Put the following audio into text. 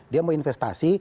dia mau investasi